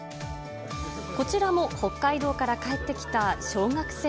こちらも北海道から帰ってきた小学生。